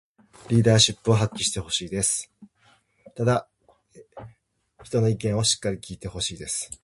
リーダーシップを発揮してほしいです。ただ、人の意見をしっかり聞いてほしいです